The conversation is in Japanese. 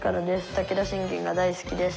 武田信玄が大好きです」。